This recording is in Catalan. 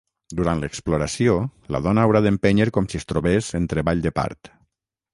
Durant l'exploració la dona haurà d'empènyer com si es trobés en treball de part.